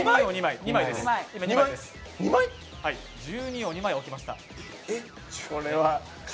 １２を２枚置きました。